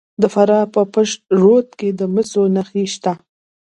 د فراه په پشت رود کې د مسو نښې شته.